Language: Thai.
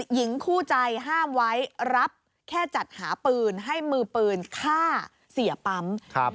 หญิงคู่ใจห้ามไว้รับแค่จัดหาปืนให้มือปืนฆ่าเสียปั๊ม